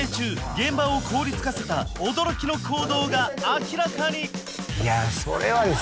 現場を凍りつかせた驚きの行動が明らかに！